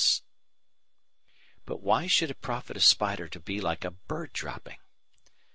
] But why should it profit a spider to be like a bird dropping?